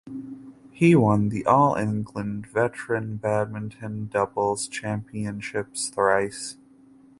He won the All England Veteran Badminton Doubles Championships thrice.